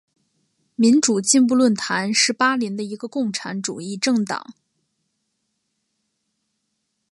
民主进步论坛是巴林的一个共产主义政党。